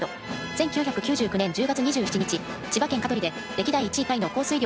１９９９年１０月２７日千葉県香取で歴代１位タイの降水量１時間あたり１５３ｍｍ。